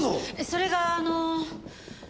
それがあの。